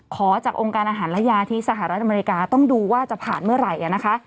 ขอจากองค์การอาหารและยาที่สหรัฐอเมริกาต้องดูว่าจะผ่านเมื่อไหร่นะคะ